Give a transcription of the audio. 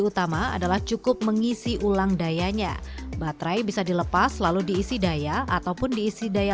utama adalah cukup mengisi ulang dayanya baterai bisa dilepas lalu diisi daya ataupun diisi daya